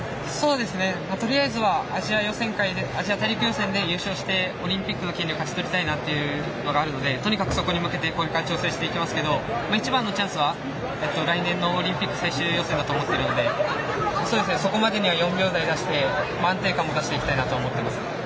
とりあえずはアジア大陸予選で優勝して、オリンピックの権利を勝ち取りたいなというのがあるのでとにかくそこに向けて調整していきますけど一番のチャンスは来年のオリンピック最終予選だと思っているのでそこまでには４秒台出して安定感も出していきたいなと思いますね。